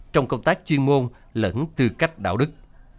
trong công tác chuyên môn lẫn tư cách đạo đức